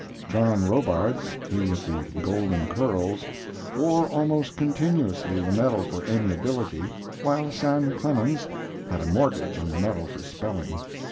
John Robards he of the golden curls wore almost continuously the medal for amiability, while Sam Clemens had a mortgage on the medal for spelling.